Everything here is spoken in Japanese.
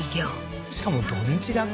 しかも土日だけ？